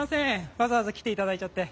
わざわざ来て頂いちゃって。